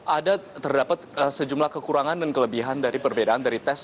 ada terdapat sejumlah kekurangan dan kelebihan dari perbedaan